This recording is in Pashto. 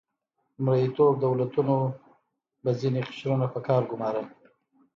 مرئیتوب دولتونو به ځینې قشرونه په کار ګمارل.